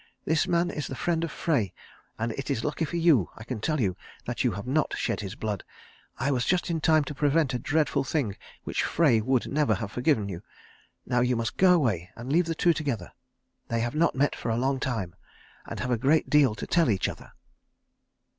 "This man is the friend of Frey, and it is lucky for you, I can tell you, that you have not shed his blood. I was just in time to prevent a dreadful thing which Frey would never have forgiven you. Now you must go away and leave the two together. They have not met for a long time, and have a great deal to tell each other."